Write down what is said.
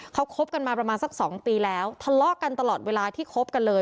เขาคบกันมาประมาณสัก๒ปีแล้วทะเลาะกันตลอดเวลาที่คบกันเลย